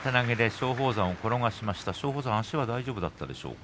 松鳳山、足は大丈夫でしょうか。